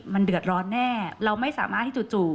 มันเดือดร้อนแน่เราไม่สามารถที่จู่